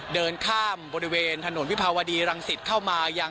เดินข้ามบริเวณถนนวิภาวดีรังสิตเข้ามายัง